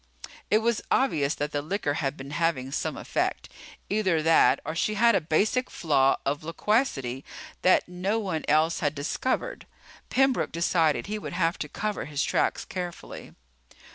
It was obvious that the liquor had been having some effect. Either that, or she had a basic flaw of loquacity that no one else had discovered. Pembroke decided he would have to cover his tracks carefully.